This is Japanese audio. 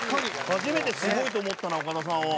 初めてすごいと思ったな岡田さんを。